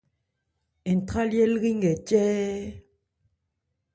Ntrályɛ́ lri nkɛ cɛ́ɛ́.